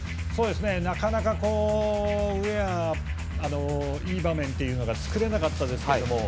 なかなか、ウェアはいい場面が作れなかったですけど。